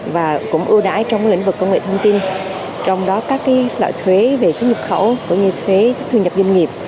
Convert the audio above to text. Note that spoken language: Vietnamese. và cũng ưu đãi trong lĩnh vực công nghệ thông tin trong đó các loại thuế về xuất nhập khẩu cũng như thuế thu nhập doanh nghiệp